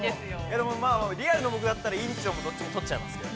でもまあ、リアルな僕だったら委員長もどっちも取っちゃいますけど。